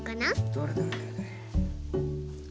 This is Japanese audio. どれどれどれどれ。